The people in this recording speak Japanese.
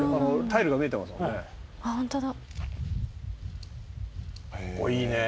「あっホントだ」